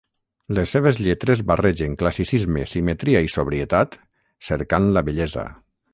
Les seves lletres barregen classicisme, simetria i sobrietat, cercant la bellesa.